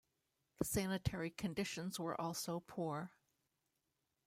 The sanitary conditions were also poor.